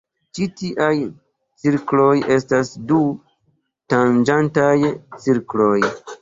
Ĉi tiaj cirkloj estas du-tanĝantaj cirkloj.